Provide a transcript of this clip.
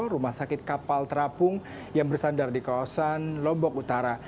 rumah sakit kapal terapung yang bersandar di kawasan lombok utara